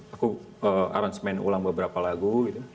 aku aransemen ulang beberapa lagu gitu